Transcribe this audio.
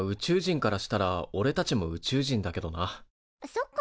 そっか。